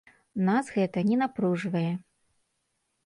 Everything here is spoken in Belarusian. Нас гэта не напружвае.